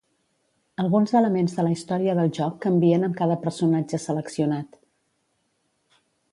Alguns elements de la història del joc canvien amb cada personatge seleccionat.